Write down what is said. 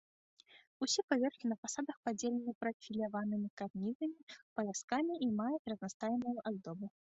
Усе паверхі па фасадах падзелены прафіляванымі карнізнымі паяскамі і маюць разнастайную аздобу.